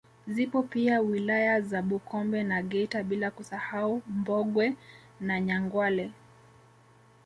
Zipo pia wilaya za Bukombe na Geita bila kusahau Mbogwe na Nyangwale